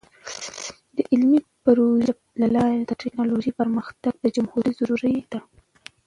د علمي پروژو له لارې د ټیکنالوژۍ پرمختګ د جمهوری ضروری دی.